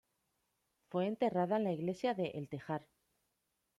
Fue enterrada en la iglesia de El Tejar.